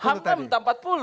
hanura minta empat puluh